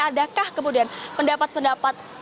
adakah kemudian pendapat pendapat